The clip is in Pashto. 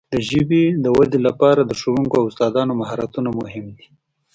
د ژبې د وده لپاره د ښوونکو او استادانو مهارتونه مهم دي.